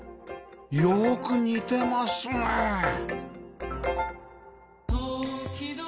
よく似てますね